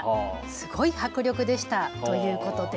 すごい迫力でしたということです。